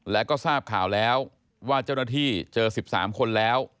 และก็ทราบข่าวแล้วว่าเจ้าหน้าที่เจอ๑๓คนแล้ว